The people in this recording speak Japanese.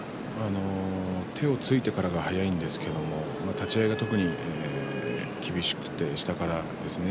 手をついてからが速いんですけれど立ち合いは特に厳しくて下からですね